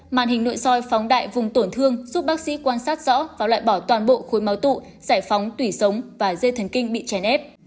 màn hình nội soi phóng đại vùng tổn thương giúp bác sĩ quan sát rõ và loại bỏ toàn bộ khối máu tụ giải phóng tủy sống và dây thần kinh bị chèn ép